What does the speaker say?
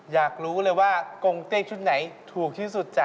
อยากรู้เลยว่ากงเต้ชุดไหนถูกที่สุดจ้ะ